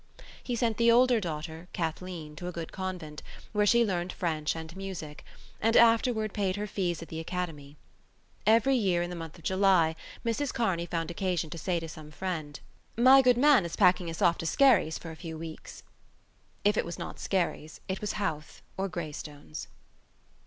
He sent the elder daughter, Kathleen, to a good convent, where she learned French and music, and afterward paid her fees at the Academy. Every year in the month of July Mrs Kearney found occasion to say to some friend: "My good man is packing us off to Skerries for a few weeks." If it was not Skerries it was Howth or Greystones.